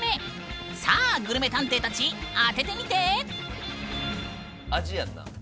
さあグルメ探偵たち当ててみて！